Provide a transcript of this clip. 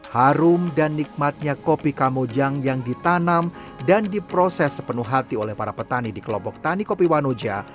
harum dan nikmatnya kopi kamojang yang ditanam dan diproses sepenuh hati oleh para petani di kelompok tani kopi wanoja